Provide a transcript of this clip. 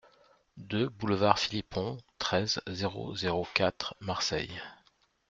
deux boulevard Philippon, treize, zéro zéro quatre, Marseille